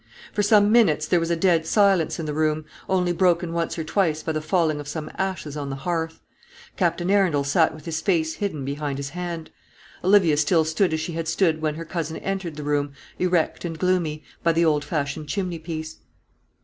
For some minutes there was a dead silence in the room, only broken once or twice by the falling of some ashes on the hearth. Captain Arundel sat with his face hidden behind his hand. Olivia still stood as she had stood when her cousin entered the room, erect and gloomy, by the old fashioned chimney piece.